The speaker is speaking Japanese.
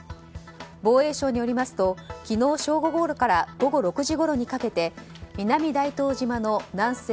防衛省によりますと昨日正午ごろから午後６時ごろにかけて南大東島の南西